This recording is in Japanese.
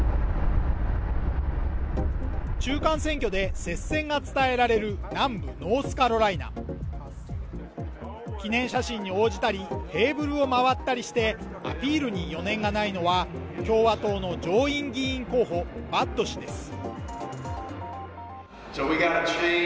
中間選挙で接戦が伝えられる南部ノースカロライナ記念写真に応じたりテーブルを回ったりしてアピールに余念がないのは共和党の上院議員候補バッド氏です